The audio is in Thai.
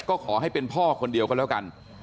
ก็ขอให้เป็นพ่อคนเดียวก็แล้วกัน